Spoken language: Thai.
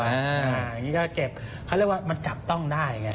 อย่างนี้ก็เก็บเขาเรียกว่ามันจับต้องได้ไง